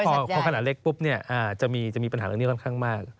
เพราะขนาดเล็กปุ๊บเนี่ยจะมีปัญหาเหลือแล้วกันค่อนข้างมาก